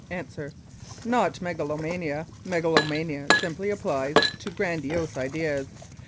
A. Not megalomania. Megalomania simply applies to grandiose ideas.